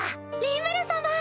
リムル様！